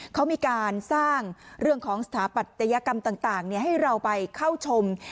เขามีการสร้างเรื่องของสถาปัตยกรรมต่างให้เราไปเข้าชม